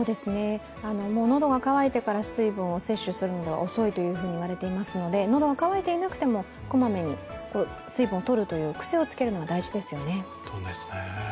のどが渇いてから水分を接種するのでは遅いと言われていますので喉が渇いていなくてもこまめに水分をとるという癖をつけるのは大事ですよね。